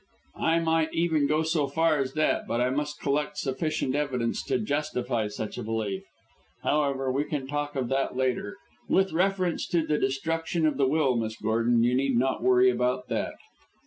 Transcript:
"I might even go so far as that, but I must collect sufficient evidence to justify such belief. However, we can talk of that later. With reference to the destruction of the will, Miss Gordon, you need not worry about that."